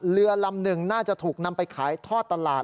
ลำหนึ่งน่าจะถูกนำไปขายทอดตลาด